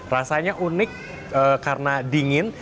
rasanya unik karena dingin